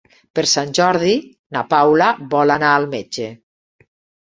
Per Sant Jordi na Paula vol anar al metge.